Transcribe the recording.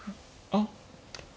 あっ。